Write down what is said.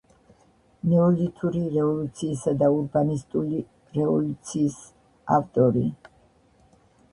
ნეოლითური რევოლუციისა და ურბანისტული რევოლუციის ავტორი.